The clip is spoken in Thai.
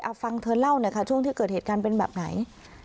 เอาฟังเธอเล่าหน่อยค่ะช่วงที่เกิดเหตุการณ์เป็นแบบไหน